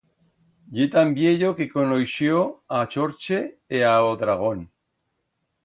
Ye tan viello que conoixió a Chorche e a o dragón.